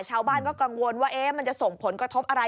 ชาวบ้านก็กังวลว่ามันจะส่งผลกระทบอะไร